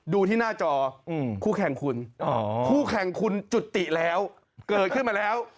ดูที่หน้าจอคู่แข่งคุณคู่แข่งคุณจุติแล้วเกิดขึ้นมาแล้ว